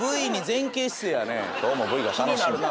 今日もＶが楽しみ。